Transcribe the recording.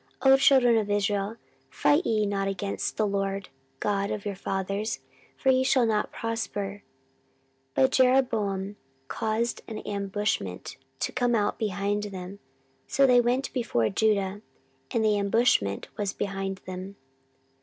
O children of Israel, fight ye not against the LORD God of your fathers; for ye shall not prosper. 14:013:013 But Jeroboam caused an ambushment to come about behind them: so they were before Judah, and the ambushment was behind them.